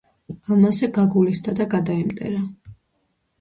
ამაზე გაგულისდა და გადაემტერა